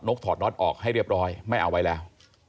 ถอดน็อตออกให้เรียบร้อยไม่เอาไว้แล้ว